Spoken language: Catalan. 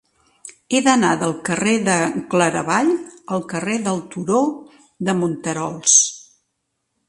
He d'anar del carrer de Claravall al carrer del Turó de Monterols.